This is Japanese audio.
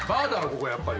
ここやっぱり。